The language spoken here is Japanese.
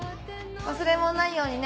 忘れ物ないようにね。